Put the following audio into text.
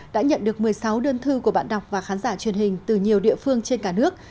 đã nhận được một mươi sáu đơn thư của bạn đọc và khán giả truyền hình từ nhiều địa phương trên cả nước